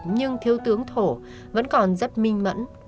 nhưng thiếu tướng thổ vẫn còn rất minh mẫn